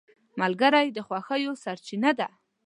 ملګری د خوښیو سرچینه ده